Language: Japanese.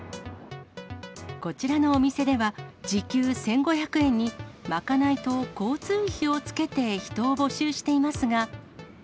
こちらのお店では、時給１５００円に、賄いと交通費を付けて人を募集していますが。